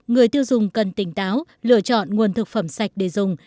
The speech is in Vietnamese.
người tiêu dùng cần tỉnh táo lựa chọn nguồn thực phẩm sạch để dùng